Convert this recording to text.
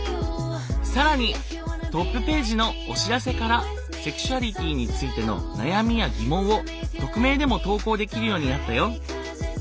更にトップページのお知らせからセクシュアリティーについての悩みや疑問を匿名でも投稿できるようになったよ。